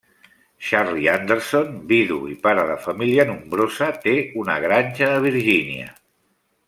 Charlie Anderson, vidu i pare de família nombrosa, té una granja a Virgínia.